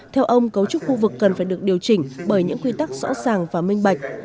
theo ông cấu trúc khu vực cần phải được điều chỉnh bởi những quy tắc rõ ràng và minh bạch